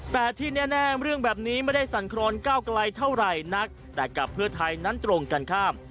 แต่ที่แน่เรื่องแบบนี้ไม่ได้สั่นครอนก้าวไกลเท่าไหร่นักแต่กับเพื่อไทยนั้นตรงกันข้าม